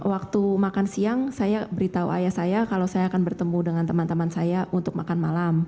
waktu makan siang saya beritahu ayah saya kalau saya akan bertemu dengan teman teman saya untuk makan malam